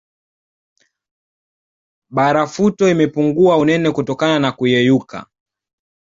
Barafuto imepungua unene kutokana na kuyeyuka